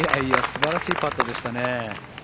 素晴らしいパットでしたね。